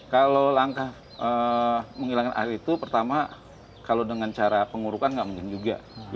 kalau langkah menghilangkan air itu pertama kalau dengan cara pengurukan nggak mungkin juga